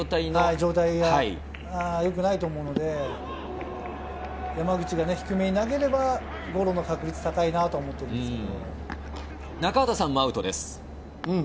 状態が良くないと思うので、山口が低めに投げれば、ゴロの確率が高いなと思っている中畑さんもアウトです。